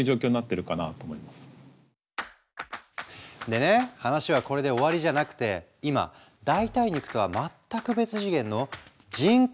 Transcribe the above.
でね話はこれで終わりじゃなくて今代替肉とは全く別次元の人工肉の開発も爆速で進んでるの。